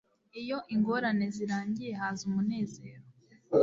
Iyo ingorane zirangiye haza umunezero.